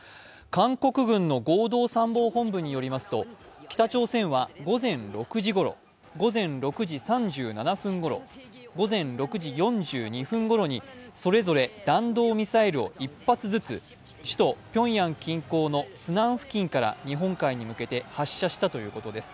韓国軍の合同参謀本部によりますと、北朝鮮は午前６時ごろ、午前６時３７分ごろ午前６時４２分ごろにそれぞれ弾道ミサイルを１発ずつ、首都ピョンヤン近郊のスナン付近から日本海に向けて発射したということです。